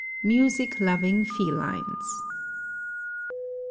MUSIC LOVING FELINES.